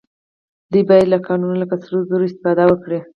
دوی باید له کانونو لکه سرو زرو استفاده وکړي